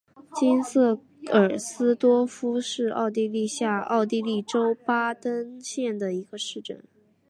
金瑟尔斯多夫是奥地利下奥地利州巴登县的一个市镇。